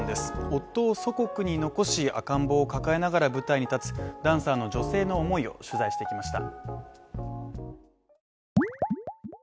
夫を祖国に残し赤ん坊を抱えながら舞台に立つダンサーの女性の思いを取材してきました。